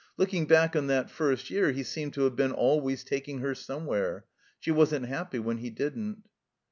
Look ing back on that first year, he seemed to have been always taking her somewhere. She wasn't happy when he didn't.